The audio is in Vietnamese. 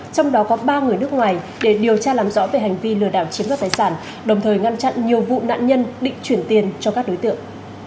trong đó có ba người nước ngoài để điều tra làm rõ về hành vi lừa đảo chiếm đoạt tài sản đồng thời ngăn chặn nhiều vụ nạn nhân định chuyển tiền cho các đối tượng